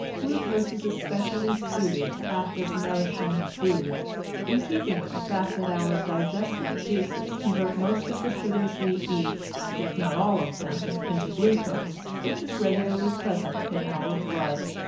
Glucose is especially suited to act as nourishing food. In keeping with that fact our digestive juices convert most of the sugars we eat, if not all of them, into glucose, which is regularly present in our blood.